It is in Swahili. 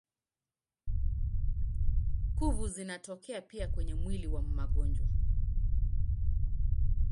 Kuvu zinatokea pia kwenye mwili kama magonjwa.